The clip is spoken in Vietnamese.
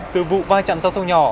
từ vụ vai chạm giao thông nhỏ